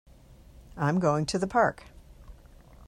I am going to the Park.